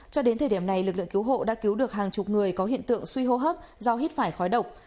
cho đến thời điểm này lực lượng cứu hộ đã cứu được hàng chục người có hiện tượng suy hô hấp do hít phải khói độc